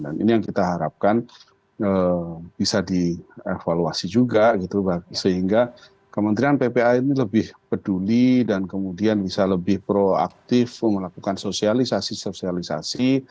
dan ini yang kita harapkan bisa dievaluasi juga sehingga kementerian ppa ini lebih peduli dan kemudian bisa lebih proaktif melakukan sosialisasi sosialisasi